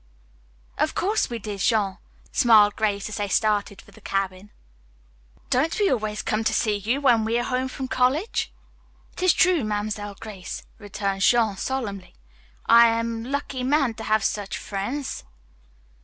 "Of course we did, Jean," smiled Grace as they started for the cabin. "Don't we always come to see you when we are home from college?" "It is true, Mamselle Grace," returned Jean solemnly. "I am lucky man to have such fren's."